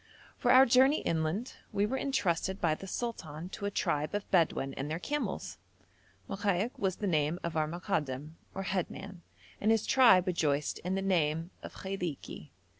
For our journey inland we were entrusted by the sultan to a tribe of Bedouin and their camels. Mokaik was the name of our Mokadam or head man, and his tribe rejoiced in the name of Khailiki.